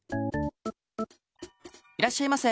いらっしゃいませ。